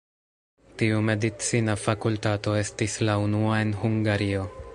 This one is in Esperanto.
Tiu medicina fakultato estis la unua en Hungario.